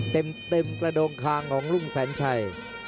เต็มกระโดงคางของลุงแสนชัย